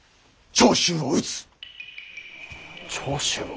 長州を討つ？